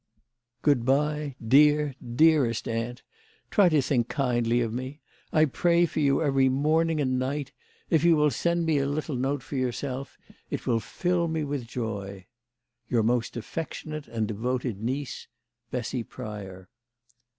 " Good bye, dear, dearest aunt. Try to think kindly of me. I pray for you every morning and night. If you will se#.d me a little note from yourself THE LADY OF LAUNAY. 159 it will fill me with joy." Your most affectionate and devoted niece, BESSY PRYOR."